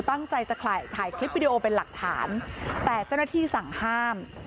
ตั้งใจจะถ่ายคลิปวิดีโอเป็นหลักฐานแต่เจ้าหน้าที่สั่งห้าม